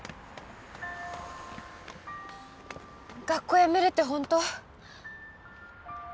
学校やめるってホント？